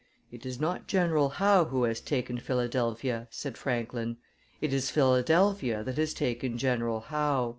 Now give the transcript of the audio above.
"It is not General Howe who has taken Philadelphia," said Franklin; "it is Philadelphia that has taken General Howe."